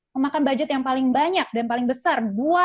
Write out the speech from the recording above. memakan budget yang paling banyak dan paling besar